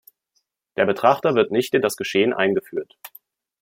Der Betrachter wird nicht in das Geschehen eingeführt.